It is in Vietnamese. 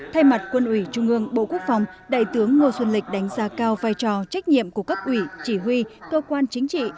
thay mặt quân ủy trung ương bộ quốc phòng đại tướng ngô xuân lịch đánh giá cao vai trò trách nhiệm của cấp ủy chỉ huy cơ quan chính trị